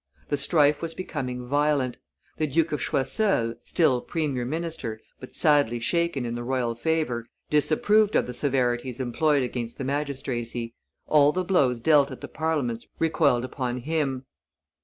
The strife was becoming violent; the Duke of Choiseul, still premier minister but sadly shaken in the royal favor, disapproved of the severities employed against the magistracy. All the blows dealt at the Parliaments recoiled upon him.